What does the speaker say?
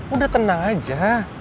udah tenang aja